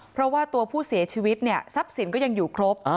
เพราะว่าตัวผู้เสียชีวิตเนี่ยทรัพย์สินก็ยังอยู่ครบ